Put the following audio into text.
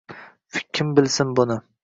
Kim bilsin buni